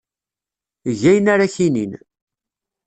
Eg ayen ara ak-inin.